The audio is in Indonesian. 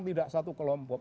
tidak satu kelompok